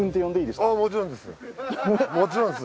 もちろんです。